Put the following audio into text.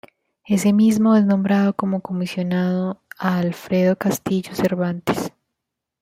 Ese mismo es nombrado como comisionado a Alfredo Castillo Cervantes.